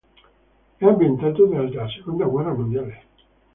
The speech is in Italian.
È ambientato durante la seconda guerra mondiale.